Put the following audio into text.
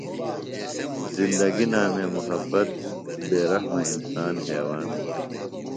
زندگیۡ نامے محبت بے رحمہ انسان حیون۔